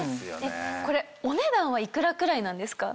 これお値段はいくらくらいなんですか？